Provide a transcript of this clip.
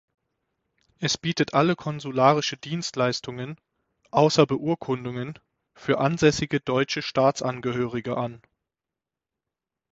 Es bietet alle konsularische Dienstleistungen (außer Beurkundungen) für ansässige deutsche Staatsangehörige an.